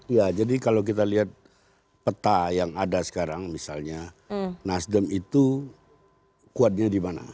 ya jadi kalau kita lihat peta yang ada sekarang misalnya nasdem itu kuatnya di mana